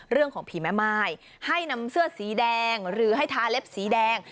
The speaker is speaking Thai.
เรื่องของผีแม่ม่ายให้นำเสื้อสีแดงหรือให้ทาเล็บสีแดง